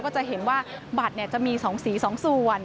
จะเห็นว่าบัตรจะมี๒สี๒ส่วน